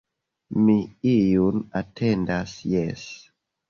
Mi iun atendas, jes!